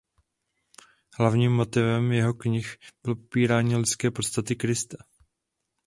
Hlavním motivem jeho knih bylo popírání lidské podstaty Krista.